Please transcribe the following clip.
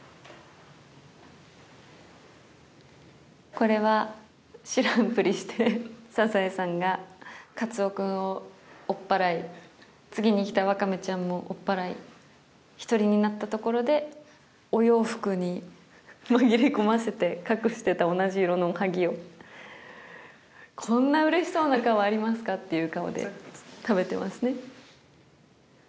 これは知らんぷりしてサザエさんがカツオ君を追っ払い次に来たワカメちゃんも追っ払い１人になったところでお洋服に紛れ込ませて隠してた同じ色のおはぎをこんなうれしそうな顔ありますかっていう顔で食べてますね。